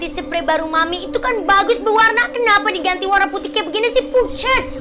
sipre baru mami itu kan bagus berwarna kenapa diganti warna putih kayak begini sih pucat